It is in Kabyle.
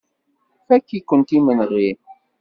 Fakk-ikent imenɣi.